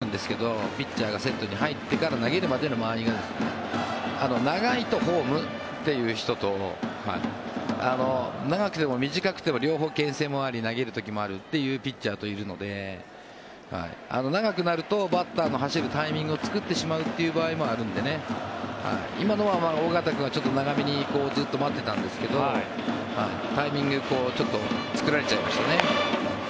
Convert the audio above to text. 間合いっていうのが色々あるんですがピッチャーがセットに入ってから投げるまでの間合いが長いとホームという人と長くても短くても両方けん制もあり投げる時もあるというピッチャーもいるので長くなるとバッターの走るタイミングを作ってしまう場合もあるので今のは尾形君は長めにずっと待ってたんですがタイミングを作られちゃいましたね。